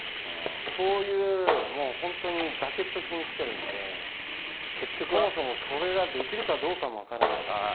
そういう、本当に崖っぷちにきてるんで、そもそもそれができるかどうかも分からないし。